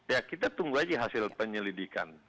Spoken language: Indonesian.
ya kita tunggu aja hasil penyelidikan